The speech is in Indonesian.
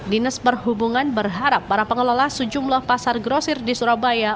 dinas perhubungan berharap para pengelola sejumlah pasar grosir di surabaya